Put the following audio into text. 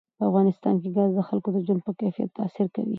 په افغانستان کې ګاز د خلکو د ژوند په کیفیت تاثیر کوي.